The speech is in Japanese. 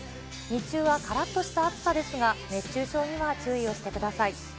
日中はからっとした暑さですが、熱中症には注意をしてください。